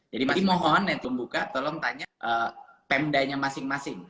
jadi mohon netizen buka tolong tanya pemda nya masing masing